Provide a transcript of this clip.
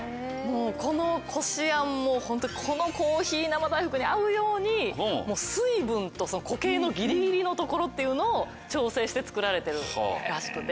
このこしあんホントにこのコーヒー生大福に合うように水分と固形のギリギリのところっていうのを調整して作られてるらしくて。